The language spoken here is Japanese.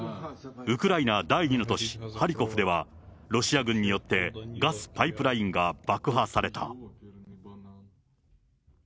ウクライナ第２の都市、ハリコフでは、ロシア軍によってガスパイプラインが爆破された。